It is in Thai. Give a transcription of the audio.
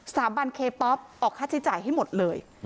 สาบันเคป๊อปออกค่าใช้จ่ายให้หมดเลย